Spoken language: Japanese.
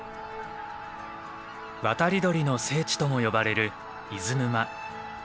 渡り鳥の聖地とも呼ばれる伊豆沼。